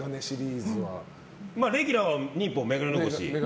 レギュラーは忍法メガネ残し。